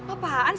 apaan sih bar